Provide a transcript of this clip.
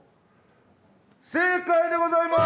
正解でございます！